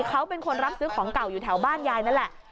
เขาเป็นคนรับซื้อของเก่าอยู่แถวบ้านยายนั่นแหละ